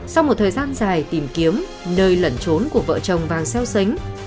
sau một thời gian dài tìm kiếm nơi lẩn trốn của vợ chồng vàng xeo xánh